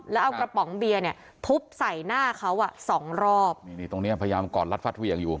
แล้วเอากระป๋องเบียร์เนี่ยทุบใส่หน้าเขาอ่ะสองรอบนี่นี่ตรงเนี้ยพยายามกอดรัดฟัดเหวี่ยงอยู่